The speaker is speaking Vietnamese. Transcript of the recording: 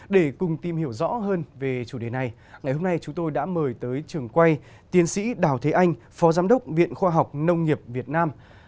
để cùng tìm hiểu rõ hơn về chủ đề này ngày hôm nay chúng tôi đã mời tới trường quay tiến sĩ đào thế anh phó giám đốc viện khoa học nông nghiệp việt nam